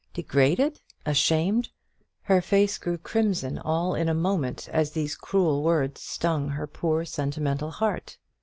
Degraded! ashamed! her face grew crimson all in a moment as these cruel words stung her poor sentimental heart.